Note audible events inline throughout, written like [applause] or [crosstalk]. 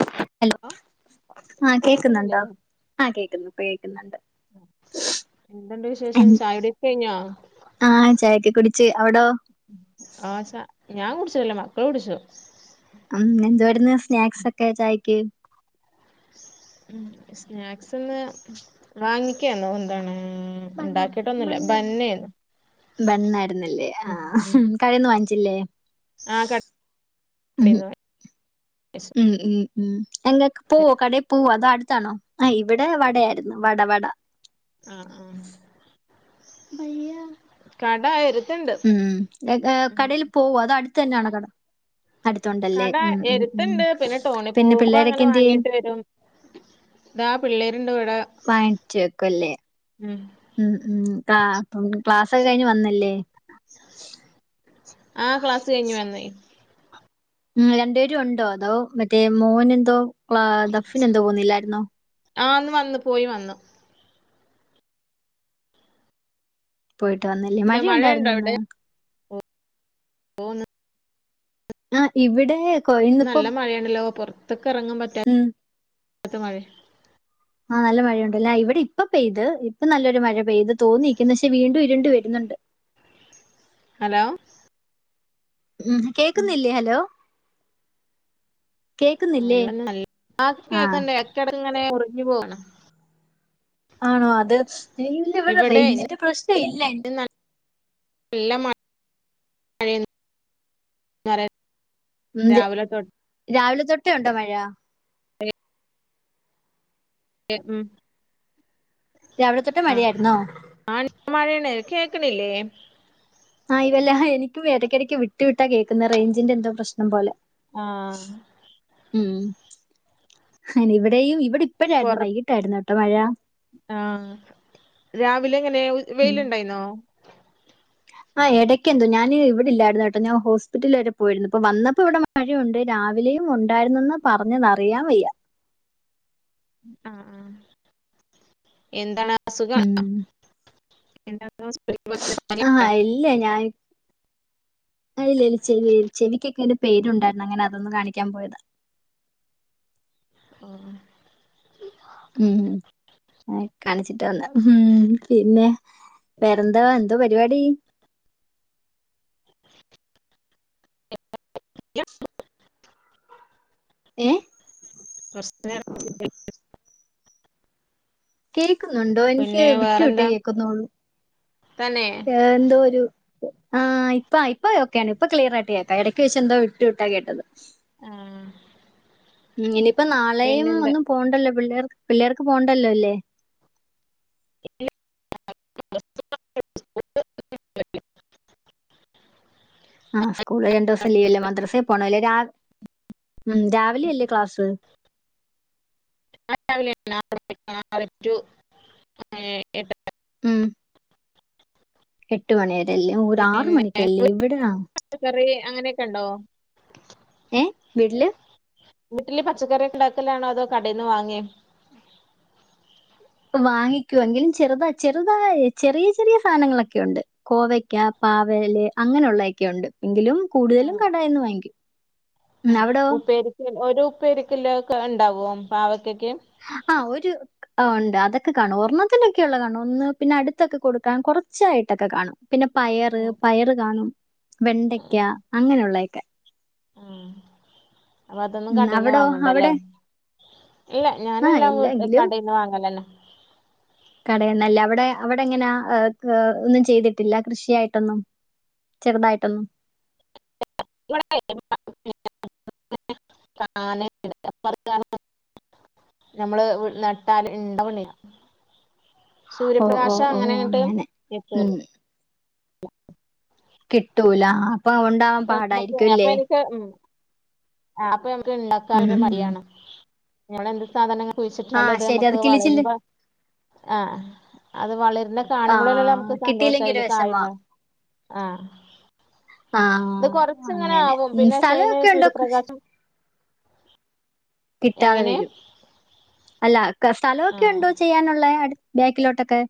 [unintelligible] Hello ആഹ് കേൾക്കണില്ലേ കേക്ക്ന്നുണ്ടോ ആഹ കേക്കുന്നു ഇപ്പൊ കേക്കുന്നുണ്ട് എന്തുണ്ട് വിശേഷം ചായ കുടി ഒക്കെ കഴിഞ്ഞോ ആഹ് ചായൊക്കെ കുടിച്ച് അവിടോ ആഹ് ഞാൻ കുടിച്ചിട്ടില്ല മക്കള് കുടിച്ചു ഉം ഇന്ന് എന്തുവായിര്ന്ന് സ്നാക്സ് ഒക്കെ ചായക്ക് ഉം സ്നാക്സ്ന് വാങ്ങിക്കെന്നു എന്താണ് ഇണ്ടാക്കിട്ടൊന്നുല്ല ബന്നേന്ന് ബണ്ണായിരുന്നല്ലേ ആഹ് കടിയൊന്നും വാങ്ങിച്ചില്ലേ ആഹ കടെന്ന് [unintelligible] ഉം ഉം എങ്ങക്ക് പോവോ കടയിൽ പോവോ അതോ അടുത്താണോ ആ ഇവിടെ വടയായിരുന്നു വട വട ആഹ് ആഹ് കട എരുത്തുണ്ട് ഉം ഉം കടയിൽ പോവോ അതോ അടുത്ത് തന്നെയാണോ കട അടുത്തൊണ്ടല്ലേ കട ഉം ഉം ഉം എരുത്തുണ്ട് പിന്നെ ടൗണി പിന്നെ പോകുമ്പോ പിള്ളേരൊക്കെ അങ്ങനെ എന്ത്യേ വാങ്ങീട്ട് വരും ഇതാ പിള്ളേര്ണ്ട് ഇവിടെ വാങ്ങിച്ച് വെക്കും അല്ലേ ഉം ഉം ഉം ക്ലാ ക്ലാസ്ക്കെ കഴിഞ്ഞ് വന്നല്ലേ ആ ക്ലാസ്സ് കഴിഞ്ഞു വന്ന് ഉം രണ്ടു പേരും ഉണ്ടോ അതോ മറ്റേ മോന് എന്തോ ദഫിന് എന്തോ പോവുന്നില്ലായിരുന്നോ ആഹ് ഇന്ന് വന്നു പോയി വന്നു പോയിട്ട് വന്നില്ലേ മഴ എന്താ മഴയുണ്ടോ ഉണ്ടായിരുന്നോ ഇന്ന് അവിടെ [unintelligible] ആഹ് ഇവിടെ കൊ- ഇന്നിപ്പം നല്ല മഴയാണല്ലോ പുറത്ത്ക്ക് ഇറങ്ങാൻ പറ്റ ഉം ത്ത മഴെ ആഹ് നല്ല മഴയുണ്ട് അല്ല ഇവിടെ ഇപ്പൊ പെയ്ത് ഇപ്പൊ നല്ലൊരു മഴ പെയ്ത് തോന്നിനിക്കുന്നു പക്ഷേ വീണ്ടും ഇരുണ്ടും വരുന്നുണ്ട് ഹലോ. ഉം കേക്കുന്നില്ലേ ഹലോ. കേക്കുന്നില്ലേ ആഹ് [unintelligible] ആ കേക്ക്ണ്ട് ഇടക്ക് ഇടക്ക് ഇങ്ങനെ മുറിഞ്ഞു പോവണ്. ആണോ അത് ഇല്ല ഇവിടെ റേഞ്ചിന്റെ പ്രശ്നം ഇല്ല. ഉം, ര- [unintelligible] രാവിലെ തൊട്ടെ ഉണ്ടോ മഴ. [unintelligible] രാവിലെ തൊട്ടെ മഴയായിരുന്നോ? ആഹ് [unintelligible] മഴയാണ് കേക്കണില്ലേ. ആഹ് ഇല്ല എനിക്ക് ഇടക്കിടയ്ക്ക് വിട്ടു വിട്ടാ കേൾക്കുന്നെ റേഞ്ചിന്റെ എന്തോ പ്രശ്നം പോലെ. ആഹ്. ഉം ഇവിടെയും ഇവിടെ ഇപ്പഴായിരുന്നു വൈകിട്ടായിരുന്നുട്ടോ മഴ. ആഹ് രാവിലെ എങ്ങനെ വെയിലുണ്ടായിന്നോ? ആഹ് ഇടയ്ക്കെന്തോ ഞാന് ഇവിടില്ലായിരുന്ന കേട്ടോ ഞാൻ ഹോസ്പ്പിറ്റൽ വരെ പോയിരുന്നു ഇപ്പ വന്നപ്പോ ഇവിടെ മഴയുണ്ട് രാവിലെയും ഉണ്ടായിരുന്നെന്നാ പറഞ്ഞത് അറിയാൻ വയ്യ ആഹ് ആഹ് എന്താണ് അസുഖാണോ ഉം. [unintelligible] ആഹ് ഇല്ല ഞാനി [unintelligible] ചെവി ചെവിക്കൊക്കെ ഒരു പെയിൻ ഉണ്ടായിരുന്നു അങ്ങന അതൊന്ന് കാണിക്കാൻ പോയതാ ആഹ് ഉം കാണിച്ചിട്ട് വന്നെ ഉം പിന്നെ വേറെന്താ എന്തോ പരിപാടി ഏ [unintelligible] കേക്കുന്നുണ്ടോ എനിക്ക് പിന്നെ വിട്ടു വിട്ടേ വേറെന്താ കേക്കുന്നുള്ളൂ തന്നെ ഏന്തോരു ആഹ് ഇപ്പ ഇപ്പോ ഒക്കെയാണ് ഇപ്പൊ ക്ലിയറായിട്ട് കേക്കാം ഇടക്ക് വെച്ച് എന്തോ വിട്ടു വിട്ടാ കേട്ടത് ആഹ് ഉം ഇനിയിപ്പ നാളെയും ഒന്നും പോണ്ടല്ലോ പിള്ളേർ പിള്ളേർക്ക് പോണ്ടല്ലോല്ലേ [unintelligible] ആഹ് സ്കൂള് രണ്ടു ദിവസം ലീവല്ലേ മദ്രസേ പോണല്ലേ രാ ഉം രാവിലെയല്ലേ ക്ലാസ് [unintelligible] [unintelligible] ഉം എട്ട് മണിവരെയല്ലേ ഒര് ആറു പിന്നെ മണിക്കല്ലേ എവിടാ പച്ചക്കറി അങ്ങനയൊക്കെ ഉണ്ടോ ഏഹ് വീട്ടില് വീട്ടില് പച്ചക്കറിയൊക്കെ ഉണ്ടാക്കലാണോ അതോ കടേന്ന് വാങ്ങേ വാങ്ങിക്കുവെങ്കിലും ചെറുത ചെറുതായി ചെറിയ ചെറിയ സാധനങ്ങളൊക്കെയുണ്ട് കോവയ്ക്ക പാവല് അങ്ങനെയുള്ളയൊക്കെയുണ്ട് എങ്കിലും കൂടുതലും ആഹ് കടേന്ന് വാങ്ങിക്കും ഉം ആഹ് അവിടോ ഉപ്പേരിക്ക് ഒരു ഉപ്പേരിക്കില്ലൊക്കെ ഇണ്ടാവോ പാവക്കൊക്കെ ആഹ് ഒര് ആഹ് ഉണ്ട് അതൊക്കെ കാണും ഒരണ്ണത്തിനൊക്കെയുള്ള കാണും ഒന്ന് പിന്നെ അടുത്തൊക്കെ കൊടുക്കാൻ കുറച്ചായിട്ടൊക്കെ കാണും പിന്നെ പയറ് ആഹ് പയറ് കാണും വെണ്ടയ്ക്ക ആഹ് അങ്ങനെയുള്ളയൊക്കെ ആഹ് അപ്പൊ അതൊന്നും ഉം കടയിന്ന് അവിടോ വാങ്ങണ്ടല്ലേ അവിടെ ഇല്ല ആ ഞാനെല്ലാം ഇല്ലെങ്കിലും കടേന്ന് വാങ്ങലന്നെ കടേന്നല്ലേ അവിടെ അവിടെങ്ങന ഏ ഏ ഒന്നും ചെയ്തിട്ടില്ല കൃഷിയായിട്ടൊന്നും ചെറുതായിട്ടൊന്നും [inaudible] നമ്മള് വീട്ട്ല് നട്ടാല് ഇണ്ടാവണ്ല്യ ഓ ഓ ഓ സൂര്യപ്രകാശങ്ങനയങ്ങട്ട് അങ്ങനെ എത്തൂല ഉം കിട്ടൂല ആഹ് അപ്പൊ നമുക്ക് ഏ അപ്പൊ എനിക്ക് ഉം ആ അപ്പൊ നമ്മക്ക് ഉം ഇണ്ടാക്കാനൊരു ഉം ഉം. മടിയാണ് ഞമ്മളെന്ത് സാധനങ്ങ ആ കുഴിച്ചിട്ടാലത് ശരി അത് നമ്മക്ക് കിളിച്ചില് വളരുമ്പ ആ അത് വളര്ന്ന ആ കാണുമ്പോളല്ലല്ല നമുക്ക് കിട്ടിയില്ലെങ്കി ഒരു സന്തോഷയില് വിഷമാ കായണ്ട ആ ആ ഇത് കൊറച്ചിങ്ങനെ അങ്ങനെ ആവും ഉം പിന്നെ പഷയിന് സ്ഥലമൊക്കെ ഉണ്ടോ കൃഷി- സൂര്യപ്രകാശം കിട്ടാതെ എങ്ങനെ വരും അല്ല കെ സ്ഥലൊക്കെ ആഹ് ഉണ്ടോ ചെയ്യാനുള്ളെ അടു ബാക്കിലോട്ടൊക്കെ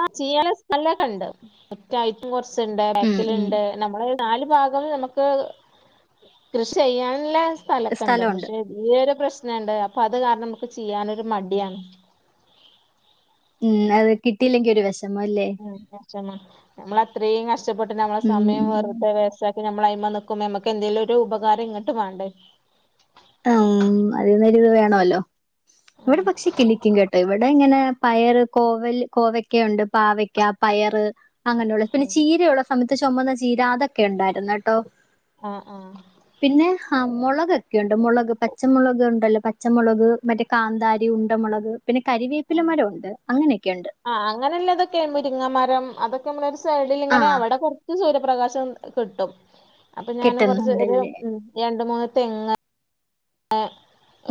ആ ചെയ്യാനുള്ള സ്ഥലൊക്കെയിണ്ട് മുറ്റായിറ്റും കൊറച്ച്ണ്ട് ഉം ഉം ബാക്കില്ണ്ട് നമ്മള് നാല് ഭാഗം നമ്മക്ക് കൃഷി ചെയ്യാനുള്ള സ്ഥലൊക്കെ ഉണ്ട് സ്ഥലമുണ്ട് പക്ഷേ ഈയൊരു പ്രശ്നണ്ട് അപ്പൊ അത് കാരണം നമ്മക്ക് ചെയ്യാനൊരു മടിയാണ് ഉം അത് കിട്ടിയില്ലെങ്കി ഒരു വെ ഉം വെശമാ നമ്മളത്രയും കഷ്ടപ്പെട്ട് നമ്മളെ ഉം. സമയം വെറു വേസ്റ്റാക്കി നമ്മൾ അയ്മ നിക്കുമ്പോ നമുക്ക് എന്തേലും ഒരു ഉപകാരം ഇങ്ങട്ടും വേണ്ടേ അം അതിന് ഇത് വേണല്ലോ ഇവിടെ ആഹ് പക്ഷെ കിളിക്കും കേട്ടോ ഇവിടെ ഇങ്ങനെ പയറ് കോവൽ കോവക്കുണ്ട് പാവക്ക പയറ് അങ്ങനെയുള്ള പിന്നെ ചീരയുള്ള സമയത്ത് ചുമന്ന ചീര അതൊക്കെ ഉണ്ടായിരുന്നു കേട്ടോ. ആഹ് ആഹ് പിന്നെ ആ മുളക് ഒക്കുണ്ട് മുളക് പച്ചമുളക് ഉണ്ടല്ലോ പച്ചമുളക് മറ്റേ കാന്താരി ഉണ്ട മുളക് പിന്നെ കരിവേപ്പില ആഹ് മരം ഉണ്ട് അങ്ങനെയൊക്കെ ഉണ്ട് ആഹ് അങ്ങനെയല്ല ഇതൊക്കെയ മുരിങ്ങമരം അതൊക്കെ നമ്മള ഒരു സൈഡിൽ ഇങ്ങനെ ആഹ് അവിടെ കുറ സൂര്യപ്രകാശം കിട്ടും അപ്പൊ ഞൻ കുറച്ച് കിട്ടുന്നുണ്ടല്ലേ. രണ്ട്മൂന്ന് തെങ്ങ്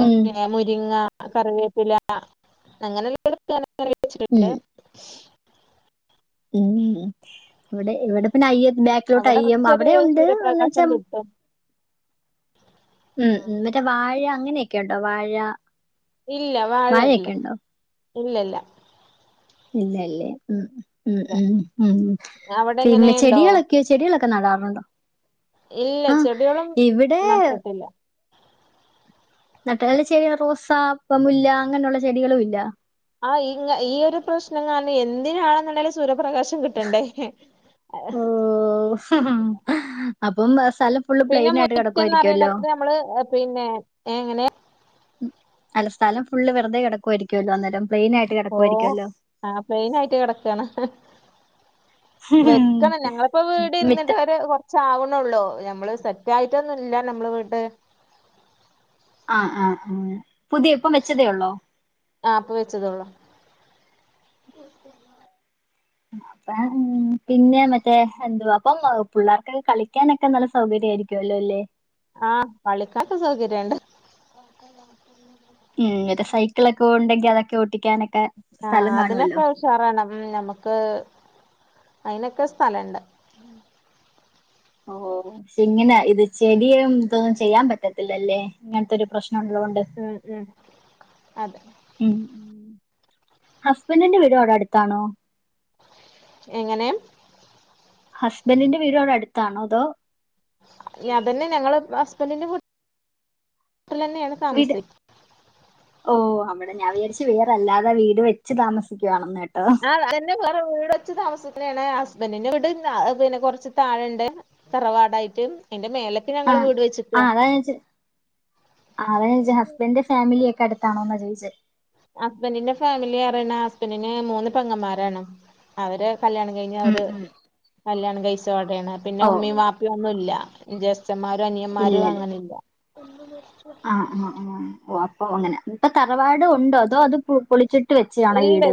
ഉം. മുരിങ്ങ കറിവേപ്പിലഅങ്ങനെ എല്ലാം [unintelligible] കറി വെച്ചിട്ടുണ്ട് ഉം. ഉം ഇവിടെ ഇവിടെ പിന്നെ [unintelligible] ബക്ക് ട അവിടെ യ്യും കൊറച്ചൊരു അവിടെണ്ട്ന്ന് എന്ന് വെച്ചാ സൂര്യപ്രകാശം കിട്ടും ഉംഉം വാഴ അങ്ങനെയൊക്കെ ഉണ്ടോ വാഴ ഇല്ല വാഴയില്ല വാഴയൊക്കെ ഉണ്ടോ ഇല്ലല്ല ഇല്ലല്ലേ ഉ ഉ ഇല്ല ഉ ഉ ഇല്ല അവിടെ പിന്നെ എങ്ങനെയുണ്ടോ ചെടികളൊക്കെ ചെടികളൊക്കെ നടാറുണ്ടോ ഇല്ല ആ ചെടികളും ഇവിടെ നട്ടിട്ടില്ല നട്ടല്ല ചെടിക റോസ പ മുല്ല അങ്ങനെയുള്ള ചെടികളും ഇല്ല ആഹ് ഇ ഈ ഒരു പ്രശ്നം കാരണം എന്തിനാണെന്നുണ്ടെങ്കൽ സൂര്യപ്രകാശം കിട്ടണ്ടേ ആ ഓ അപ്പം സ്ഥലം ഫുള്ള് പിന്നെ പ്ലെയിൻ ആയിട്ട് മുറ്റം കിടക്കുവായിരിക്കുമല്ലോ നറയണത് നമ്മള് പിന്നെ ഏ എങ്ങനെ ഉ അല്ല സ്ഥലം ഫുള് വെറതെ കിടക്കുവായിരിക്കുമല്ലോ അന്നേരം പ്ലെൻ ആയിട്ട് ഓ കിടക്കുവായിരിക്കുമല്ലോ ആഹ് പ്ലെയിന ആയിട്ട് കിടക്കയാണ് വെക്കണം ഞങ്ങളിപ്പോ വീട് മിറ്റ ഇരുന്നിട്ട് അവരെ കൊ റച്ചാവണള്ളൂ നമ്മള് സെറ്റ് ആയിട്ടൊന്നും ഇല്ല നമ്മൾ വീട്ട് ആഹ് ആഹ് ആഹ് പുതിയ ഇപ്പം വെച്ചതേ ഉള്ളോ ആഹ് ഇപ്പൊ വെച്ചതോളൂ അപ്പ ഉം പിന്നെ മറ്റേ എന്തുവാ അപ്പം പിള്ളേർക്കൊക്കെ കളിക്കാനൊ ക്ക നല്ല സൗകര്യായിരിക്കോല്ലോ അല്ലേ ആഹ് പളിക്കാക്കെ സൗകര്യുണ്ട് [inaudible] ഉം ങ്ങൻത്തെ സൈക്കിളൊക്കെ പോവ്ണ്ടെങ്കി അതൊക്കെ ഓട്ടിക്കാനൊ ആഹ് അതിനൊക്കെ ഉഷാറണം നമക്ക് അയിനൊക്കെ സ്ഥലണ്ട് ഓഹ് ഷെ ഇങ്ങനെ ഇത് ചെടിയും ഇതൊന്നും ചെയ്യാൻ പറ്റത്തില്ലല്ലേ ഇങ്ങനത്തെ ഒരു പ്രശ്നള്ളോണ്ട് ഉം ഉം അതെ ഉം ഹസ്ബൻറിന്റെ വീട് വിടെ അടുത്താണോ എങ്ങനെ ഹഷ്ബൻറിന്റെ വീടോടടുത്താണോ അതോ ഞാൻ തന്നെ ഞങ്ങള് ഹസ്ബന്റിന്റെ വീ ട്ടിലെന്നെയാണ് വിട് ഓഹ് അവിടെ ഞാൻ വിചാരിച്ച് വേറെല്ലാതെ വീട് വെച്ച് താമസിക്കുവാണെന്നേട്ടോ ആഹ് എന്നെ വേറെ വീട് വച്ച് താമസിക്കനാണ് ഹസ്ബന്റിന്റെ വിട് അഹ് പിന്നെ കൊറച്ച് തായെണ്ട് തറവാടായിട്ട് എന്റെറെ മേലേക്ക് ഞങ്ങള് വീട് വെച്ചിക്ക അയാൻച് അതാ ൻച ഹസ്ബൻന്റെ ഫാമിലി ഒക്കെ അടുത്താണോന്നാ ചോയ്ച്ച ഹസ്ബൻഡിന്റെ ഫാമിലി അറിണ ഹസ്ബൻഡിന് മൂന്ന് പെങ്ങന്മാരാണ് അവര് കല്ല്യാണം കഴിഞ്ഞ ഉം അവര് ഉം കല്യാണം കഴിച്ചവ്ടെയാണ് പിന്നെ ഓ ഉമ്മയും വാപ്പി ഒന്നുംല്ല ജേസ്തന്മാരോ അനിയന്മാരോ അങ്ങനെല്ല ആഹ് ആഹ് ആഹ് ഓഹ് അപ്പൊ അങ്ങനെ ഇപ്പ തറവാടുണ്ടോ അതോ അത് പൊളിച്ചി ട്ട് വെച്ചയാണോ ഈ ഇണ്ട് വീട്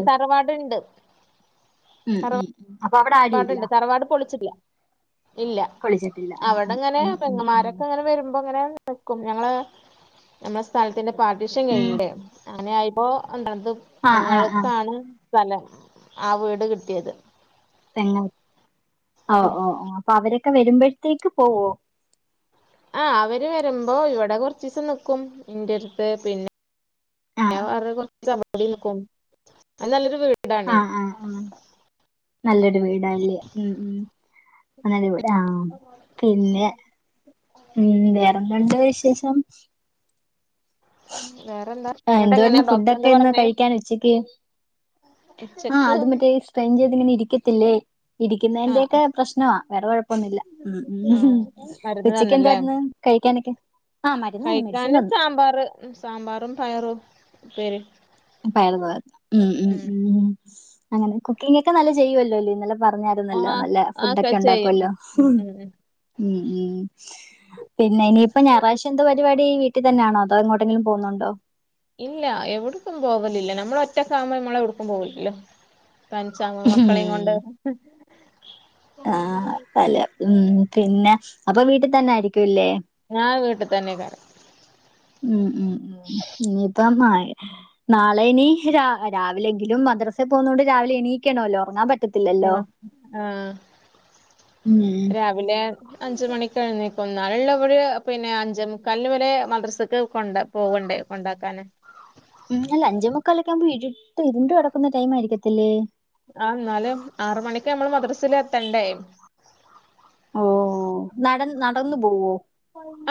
ഉം തറവാ ഉം ഉം അപ്പൊ അവിടെ ആരും ഇല്ല തറവാടുണ്ട് തറവാട് പൊളിച്ചില്ല ഇല്ല കുളിച്ചിട്ടില്ല ആ ആ അവിടെ ഇങ്ങനെ ഉം ഉം ഉം പെങ്ങമാരൊക്കെ അങ്ങനെ വരുമ്പോ അങ്ങനെ നിക്കും ഞങ്ങള് നമ്മടെ സ്ഥലത്തിന്റെ പാർട്ടീഷൻ ഉം. കഴിഞ്ഞില്ലേ അങ്ങനെ ആയിപ്പോ [unintelligible] ആ ആ ആ പെങ്ങൾക്കാണ് സ്ഥലം ആ വീട് കിട്ടിയത് പെങ്ങ ഓഹ് ഉം ഓഹ് ഓഹ് അപ്പൊ അവരൊക്കെ വരുമ്പോഴത്തേക്ക് പോവോ ആഹ് അവര് വരുമ്പോ ഇവിടെ കൊർച്ചീസം നിക്കും ഇൻ്റെ അടുത്ത് പിന്നെ ആ [unintelligible] ആഹ് ആഹ് ആഹ് നല്ലൊരു വീടാല്ലേ ഉം ഉം [unintelligible] ആഹ് പിന്നെ ഉം വേറെന്താണ്ട് വിശേഷം വേറെന്താ ആഹ് എന്നിട്ട് എന്താ ഇന്ന് എങ്ങനെയാ ഫുഡ് ഡോക്ടർ എന്താ ഒക്കെ ഇന്ന് പറഞ്ഞേ കഴിക്കാൻ ഉച്ചക്ക് ആഹ് ഉച്ചക്ക് അത് മറ്റേ ഫെയ്ൻ ചെയ്ത് ഇങ്ങനെ ഇരിക്കത്തില്ലേ ആഹ് ഇരിക്കുന്നേയ്ന്റെക്കെ പ്രശ്നവാ വേറെ കുഴപ്പൊന്നുല്ല ഉം ഉം ആഹ് മരുന്ന് ഉച്ചയ്ക്ക് തന്നല്ലേ എന്തായിരുന്നു കഴിക്കാനൊക്കെ ആഹ് മരുന്നന്നു മെഡിസിൻ കഴിക്കാന് തന്നു സാമ്പാറ് ഉം സാമ്പാറും പയറും ഉപ്പേരിം പയർ പോ ഉം ഉം ഉം അങ്ങനെ കുക്കിംഗക്കെ നല്ല ചെയ്യുവല്ലോല്ലേ ഇന്നല പറഞ്ഞരുന്നല്ലോ നല്ല ഫുഡൊക്കെ ഉണ്ടാക്കോല്ലോ ഉം ഉം പിന്നെ ഇനിയിപ്പോ ഞായറാഴ്ച എന്ത് പരിപാടി വീട്ടിൽ തന്നാണോ. അതോ എങ്ങോട്ടെങ്കിലും പോകുന്നുണ്ടോ? ഇല്ല എവിടക്കും പോവലില്ല. നമ്മള ഒറ്റക്കാകുമ്പോം നമ്മളെ എവിടക്കും പോവലില്ല. തനിചാങ്ങ് മക്കളെ കൊണ്ട് ആ, പല ഉം. പിന്നെ അപ്പൊ വീട്ടിൽ തന്നെ ആയിരിക്കുല്ലേ? ഞാൻ വീട്ടിൽ തന്നെ കാരം. ഉം, ഉം, ഉം. ഇനിയിപ്പോ [unintelligible] നാളെ ഇനി രാവിലെങ്കിലും മദ്രസൽ പോകുന്നതൊണ്ട് രാവിലെ എണീക്കണല്ലോ. ഉറങ്ങാൻ പറ്റത്തില്ലല്ലോ. ആ, ഉം രാവിലെ അഞ്ച് മണി എഴുന്നൽ ക്കും എന്നാലല്ലേ ഇവരെ പിന്നെ അഞ്ചേ മുക്കാലിന് ഇവരെ മദ്രസക്ക് കൊണ്ട പോകണ്ടേ കൊണ്ടാക്കാന് ഉം. അല്ല അഞ്ചേ മുക്കാലൊക്കെ ആവുമ്പോ ഇരൂ ട്ട് ഇരുണ്ട് കടക്കുന്ന ടൈം ആയിരിക്കത്തില്ലേ? ആ, എന്നാലും ആറ് മണിക്ക് നമ്മൾ മദ്രസയി ൽ എത്തണ്ടേ. ഓ നട നടന്നു പോവോ?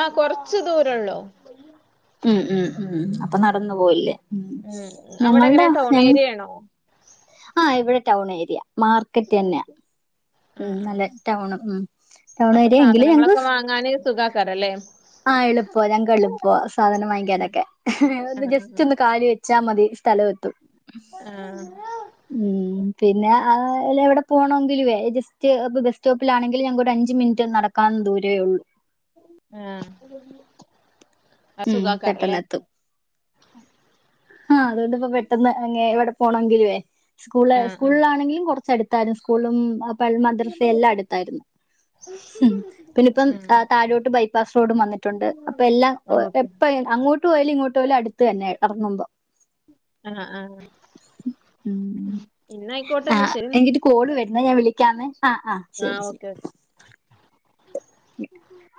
ആ, കൊറച്ച് ദൂരള്ളൂ. ഉം ഉം ഉം അപ്പൊ നടന്നു പോയില്ലേ ഉം. അവിടെ ഞങ്ങളുടെ എങ്ങനെ ടൗൺ ഞ ഏരിയയാണോ? ആ, ഇവിടെ ടൗൺ ഏരിയ മാർക്കറ്റ് തന്നെയാ ഉം, ഉം. നല്ല ടൗൺ ഉം ടൗൺ അപ്പൊ ഏരിയ എങ്കിലും ഞങ്ങക്ക് സാധനങ്ങളൊക്കെ വാങ്ങാന് സുഖക്കാരം അല്ലേ. ആ, എളുപ്പ ഞങ്ങൾക്ക് എളുപ്പ സാധനം ആ വാങ്ങിക്കാനൊക്കെ ആ ജസ്റ്റ് ഒന്ന് കാല് വെ വെച്ച മതി സ്ഥല എ ആ. ഉം. പിന്നെ അ എവിടെ പോണമെങ്കിലുവേ ജസ്റ്റ് ഇ ബസ് സ്റ്റോപ്പിലാണെങ്കിൽ ഞങ്ങൾക്ക് ഒരു അഞ്ച് മിനിറ്റ് നടക്ക നടക്കാൻ ദൂരെ ഉള്ളൂ. ആ. ആ ഉം. സുഖാക്കാരല്ലേ പെട്ടെന്നത്തും. ആ, അതുകൊണ്ട് ഇപ്പോ പെട്ടെന്ന് എവിടെ പോണെങ്കിലുവേ സ്കൂള് ആ ആ സ്കൂളിലാണെങ്കിലും കുറച്ചടുത്തായിരുന്നു. സ്കൂളും മദ്രസയും എല്ലാം അടുത്തായിരുന്നു. ഉം, പിന്നെ ഇപ്പം ഉം താഴോട്ട് ബൈപ്പാസ് റോഡും വന്നിട്ടുണ്ട് അപ്പൊ എല്ലാം ഓക്കെ എപ്പ അങ്ങോട്ട് പോയാലും ഇങ്ങോട്ട് പോയാലും അടുത്ത് തന്നെ ഇറങ്ങുമ്പോ ആ ആ ഉം, ആ ഇന്നായിക്കോട്ടെന്നാ ശരി എ എന്നാ കോൾ വരുന്നേ ഞാൻ വിളിക്കാവെ. ആ, ആ. ആ, ശരി ശരി. Okay okay. [unintelligible] [inaudible]